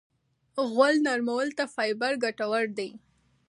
غول نرمولو ته فایبر ګټور دی.